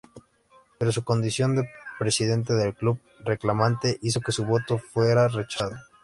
Pero su condición de Presidente del club reclamante hizo que su voto fuera rechazado.